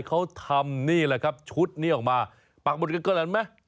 เขาทำนี่แหละครับชุดนี้ออกมาปากหมดกันก่อนแล้วเห็นไหม